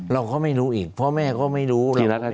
เราก็ไม่รู้อีกพ่อแม่ก็ไม่รู้เลย